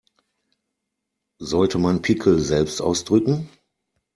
Sollte man Pickel selbst ausdrücken?